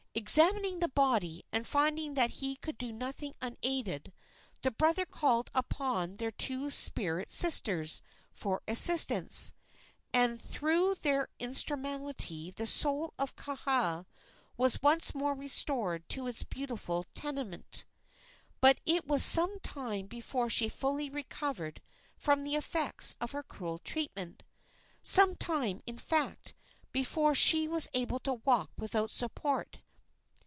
Examining the body and finding that he could do nothing unaided, the brother called upon their two spirit sisters for assistance, and through their instrumentality the soul of Kaha was once more restored to its beautiful tenement. But it was some time before she fully recovered from the effects of her cruel treatment some time, in fact, before she was able to walk without support.